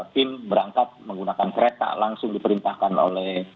tim berangkat menggunakan kereta langsung diperintahkan oleh